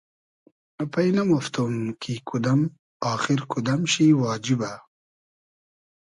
پݷ نئمۉفتوم کی کودئم آخیر کودئم شی واجیبۂ